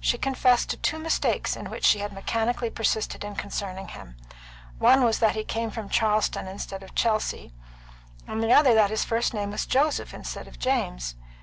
She confessed to two mistakes in which she had mechanically persisted concerning him; one that he came from Charlestown instead of Chelsea, and the other that his first name was Joseph instead of James.